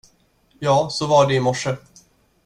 Ja, så var det i morse!